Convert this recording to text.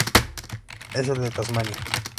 Es el de Tasmania.